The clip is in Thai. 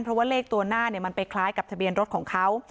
เพราะว่าเลขตัวหน้ามันไปคล้ายกับทะเบียนรถของเขา